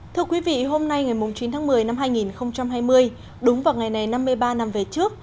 thưa quý vị hôm nay ngày chín tháng một mươi năm hai nghìn hai mươi đúng vào ngày này năm mươi ba năm về trước